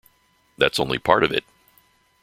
That's only part of it!